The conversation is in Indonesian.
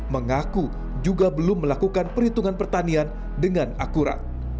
mengaku juga belum melakukan perhitungan pertanian dengan akurat